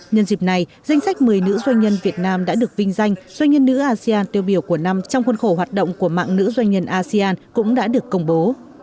nhân dịp này danh sách một mươi nữ doanh nhân việt nam đã được vinh danh doanh nhân nữ asean tiêu biểu của năm trong khuôn khổ hoạt động của mạng nữ doanh nhân asean cũng đã được công bố